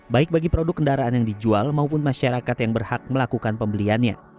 baik bagi produk kendaraan yang dijual maupun masyarakat yang berhak melakukan pembeliannya